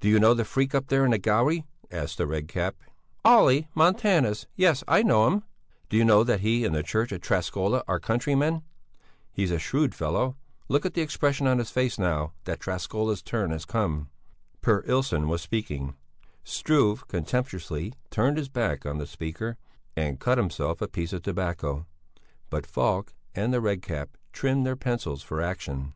"Do you know the freak up there in the gallery?" asked the Red Cap. "Olle Montanus, yes, I know him." "Do you know that he and the church of Träskola are countrymen? He's a shrewd fellow! Look at the expression on his face now that Träskola's turn has come." Per Ilsson was speaking. Struve contemptuously turned his back on the speaker and cut himself a piece of tobacco. But Falk and the Red Cap trimmed their pencils for action.